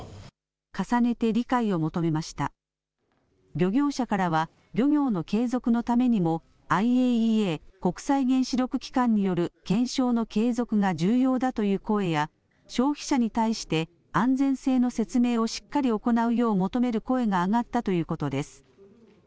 漁業者からは、漁業の継続のためにも、ＩＡＥＡ・国際原子力機関による検証の継続が重要だという声や、消費者に対して、安全性の説明をしっかり行うよう求める声が上がったということです。